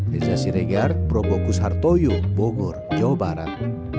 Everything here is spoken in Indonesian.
reza siregar probokus hartoyo bogor jawa barat